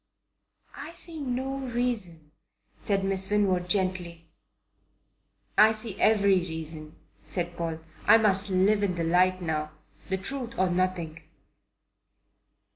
"I see no reason," said Miss Winwood gently. "I see every reason," said Paul. "I must live in the light now. The truth or nothing."